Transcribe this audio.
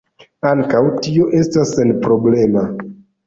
Ankaŭ tio estas senproblema.